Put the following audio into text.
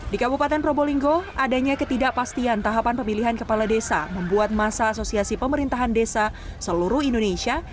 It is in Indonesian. di kabupaten probolinggo adanya ketidakpastian tahapan pemilihan kepala desa membuat masa asosiasi pemerintahan desa seluruh indonesia